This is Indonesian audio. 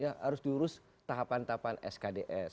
ya harus diurus tahapan tahapan skds